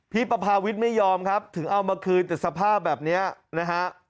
ประพาวิทย์ไม่ยอมครับถึงเอามาคืนแต่สภาพแบบนี้นะฮะ